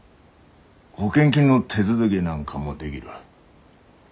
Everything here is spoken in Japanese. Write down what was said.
保険金の手続きなんかもでぎる。